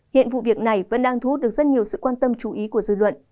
hiện vụ việc này vẫn đang thu hút được rất nhiều sự quan tâm chú ý của dư luận